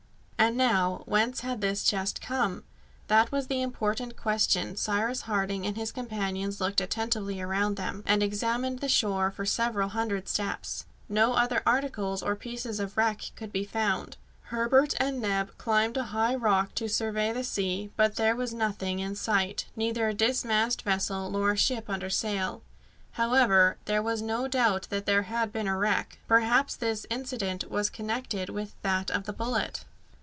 And now, whence had this chest come? That was the important question Cyrus Harding and his companions looked attentively around them, and examined the shore for several hundred steps. No other articles or pieces of wreck could be found. Herbert and Neb climbed a high rock to survey the sea, but there was nothing in sight neither a dismasted vessel nor a ship under sail. However, there was no doubt that there had been a wreck Perhaps this incident was connected with that of the bullet?